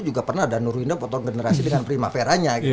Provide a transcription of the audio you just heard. juga pernah ada nurwindo potong generasi dengan primavera